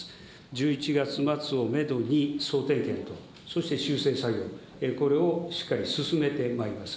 １１月末をメドに、総点検と、そして修正作業、これをしっかり進めてまいります。